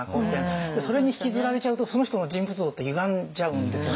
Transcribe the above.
それに引きずられちゃうとその人の人物像ってゆがんじゃうんですよね。